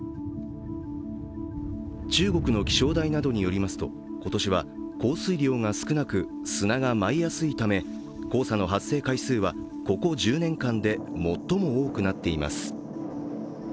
中国の気象台などによりますと、今年は降水量が少なく、砂が舞いやすいため、黄砂の発生回数はここ１０年間で最も多くなっています。